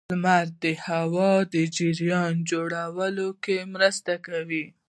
• لمر د هوا د جریان جوړولو کې مرسته کوي.